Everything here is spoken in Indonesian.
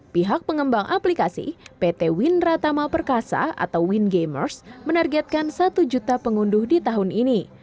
pihak pengembang aplikasi pt winratama perkasa atau wingamers menargetkan satu juta pengunduh di tahun ini